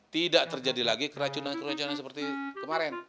tidak terjadi lagi keracunan keracunan seperti kemarin